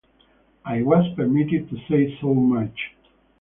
I was permitted to say so much.